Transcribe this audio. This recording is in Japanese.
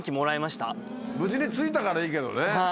無事に着いたからいいけどね。